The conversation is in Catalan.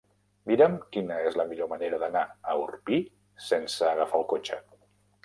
Mira'm quina és la millor manera d'anar a Orpí sense agafar el cotxe.